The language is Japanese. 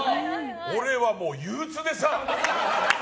俺はもう憂鬱でさ。